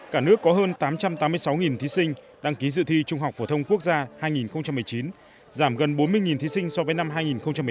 cả nước có hơn tám trăm tám mươi sáu thí sinh đăng ký dự thi trung học phổ thông quốc gia hai nghìn một mươi chín giảm gần bốn mươi thí sinh so với năm hai nghìn một mươi tám